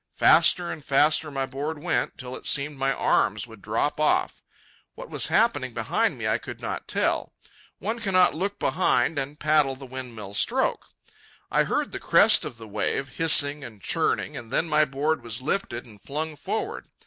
Faster and faster my board went, till it seemed my arms would drop off. What was happening behind me I could not tell. One cannot look behind and paddle the windmill stroke. I heard the crest of the wave hissing and churning, and then my board was lifted and flung forward.